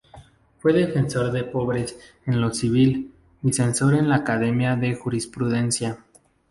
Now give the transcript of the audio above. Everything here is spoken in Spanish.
Fue Defensor de Pobres en lo Civil y Censor en la Academia de Jurisprudencia.